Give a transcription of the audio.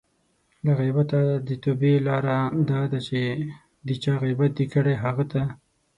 له غیبته د توبې لاره دا ده چې د چا غیبت دې کړی؛ هغه ته